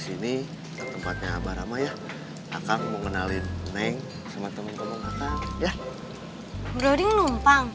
sini tempatnya abah rama ya akan mengenalin neng sama temen temen akang ya broding numpang